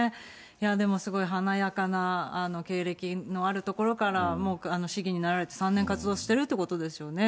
でもすごい華やかな経歴のあるところから、もう市議になられて３年活動してるっていうことですよね。